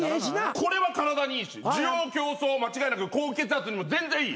これは体にいいし滋養強壮間違いなく高血圧にも全然いい。